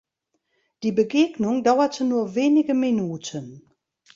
Die Begegnung dauerte nur wenige Minuten.